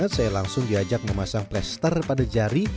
saya langsung diajak memasang plaster pada jari